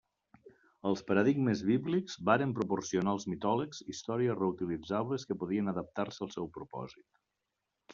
Els paradigmes bíblics varen proporcionar als mitòlegs històries reutilitzables que podien adaptar-se al seu propòsit.